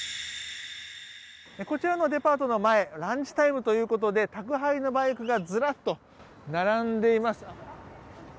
こちらのデパートの前ランチタイムということで宅配のバイクがずらっと並んでいます。